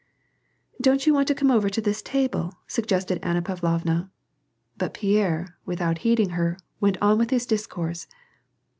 " Don't you want to come over to this table ?" suggested Anna Pavlovna. But Pierre, without heeding her, went on with his discourse.